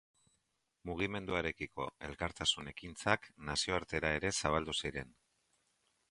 Mugimenduarekiko elkartasun-ekintzak nazioartera ere zabaldu ziren.